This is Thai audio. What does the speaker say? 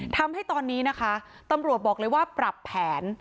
ทำให้ตอนนี้นะคะตำรวจบอกเลยว่าปรับแผน